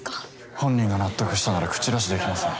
本人が納得したなら口出しできません。